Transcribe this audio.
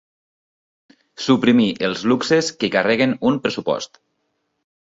Suprimir els luxes que carreguen un pressupost.